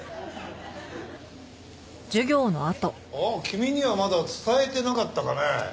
ああ君にはまだ伝えてなかったかね？